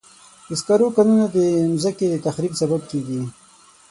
د سکرو کانونه د مځکې د تخریب سبب کېږي.